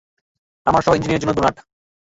আমার সহ ইঞ্জিনিয়ারের জন্য ডোনাট।